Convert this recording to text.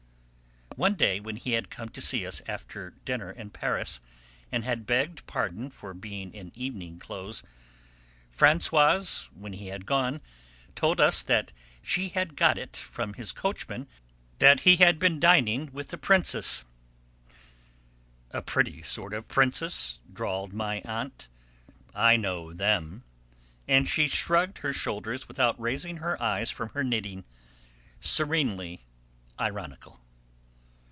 One day when he had come to see us after dinner in Paris, and had begged pardon for being in evening clothes, Françoise, when he had gone, told us that she had got it from his coachman that he had been dining "with a princess." "A pretty sort of princess," drawled my aunt; "I know them," and she shrugged her shoulders without raising her eyes from her knitting, serenely ironical.